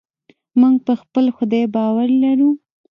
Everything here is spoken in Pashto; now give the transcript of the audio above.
موږ په خپل خدای باور لرو.